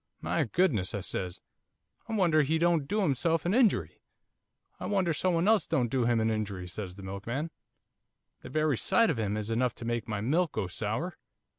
"My goodness," I says, "I wonder he don't do himself an injury." "I wonder someone else don't do him an injury," says the milkman. "The very sight of him is enough to make my milk go sour."